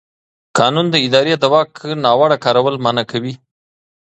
قانون د ادارې د واک ناوړه کارول منع کوي.